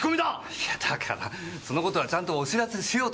いやだからその事はちゃんとお知らせしようとしたのに。